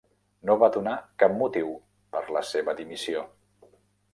No va donar cap motiu per la seva dimissió.